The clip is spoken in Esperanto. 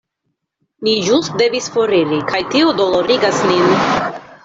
Ni ĵus devis foriri kaj tio dolorigas nin.